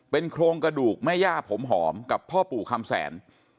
โครงกระดูกแม่ย่าผมหอมกับพ่อปู่คำแสน